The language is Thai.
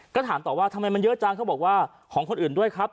ก็ถามต่อว่าทำไมมันเยอะจังเขาบอกว่าของคนอื่นด้วยครับ